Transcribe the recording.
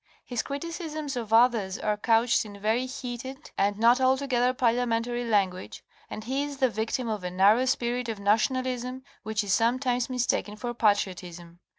His criticisms of others are couched in very heated and not altogether parliamentary language, and he is the victim of a narrow spirit of nationalism which is sometimes mistaken for patriotism.